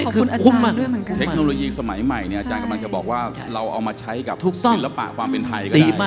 คุณไอกับอาจารย์ด้วยเหมือนกัน